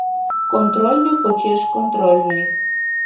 Контрольный почеш контрольный.